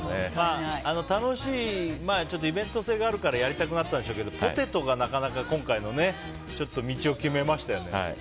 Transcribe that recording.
楽しいイベント性があるからやりたくなったんでしょうけどもポテトが、なかなか今回の道を決めましたよね。